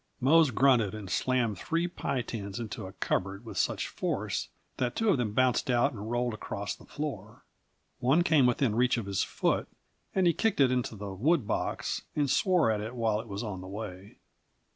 Mose grunted and slammed three pie tins into a cupboard with such force that two of them bounced out and rolled across the floor. One came within reach of his foot, and he kicked it into the wood box, and swore at it while it was on the way.